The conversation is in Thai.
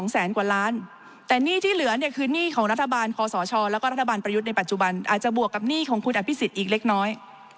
แสนกว่าล้านแต่หนี้ที่เหลือเนี่ยคือหนี้ของรัฐบาลคอสชแล้วก็รัฐบาลประยุทธ์ในปัจจุบันอาจจะบวกกับหนี้ของคุณอภิษฎอีกเล็กน้อย